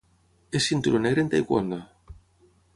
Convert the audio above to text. És cinturó negre en taekwondo.